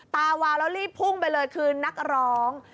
ตาวาวแล้วรีบพุ่งไปเลยคือนักร้อง